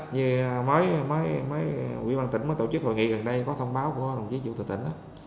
như mới quỹ băng tỉnh mới tổ chức hội nghị gần đây có thông báo của đồng chí chủ tịch tỉnh